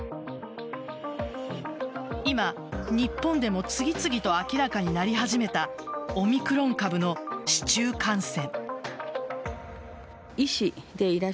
今、日本でも次々と明らかになり始めたオミクロン株の市中感染。